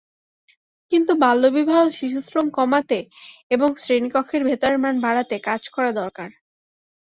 কিন্তু বাল্যবিবাহ, শিশুশ্রম কমাতে এবং শ্রেণীকক্ষের ভেতরের মান বাড়াতে কাজ করা দরকার।